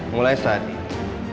mulai saat ini